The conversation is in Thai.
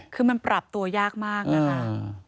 คือมันปรับตัวยากมากนะคะ